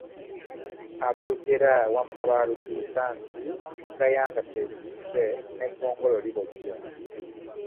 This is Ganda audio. Abaalugera wamma baalutuusa, nti togayanga kyezinze, n'eggongolo libojja.